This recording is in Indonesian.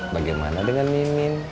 bagaimana dengan mimin